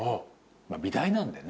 美大なんでね。